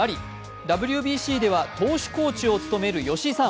ＷＢＣでは投手コーチを務める吉井さん。